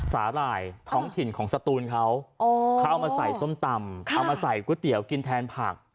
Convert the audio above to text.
หร่ายท้องถิ่นของสตูนเขาเขาเอามาใส่ส้มตำเอามาใส่ก๋วยเตี๋ยวกินแทนผัก